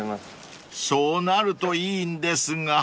［そうなるといいんですが］